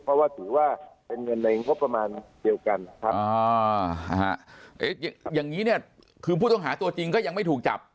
เพราะว่าถือว่าเป็นเงินในงบประมาณเดียวกันนะครับอย่างนี้เนี่ยคือผู้ต้องหาตัวจริงก็ยังไม่ถูกจับ